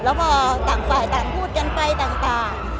แล้วก็ต่างฝ่ายต่างพูดกันไปต่าง